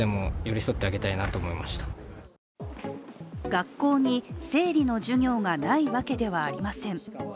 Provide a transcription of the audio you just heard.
学校に生理の授業がないわけではありません。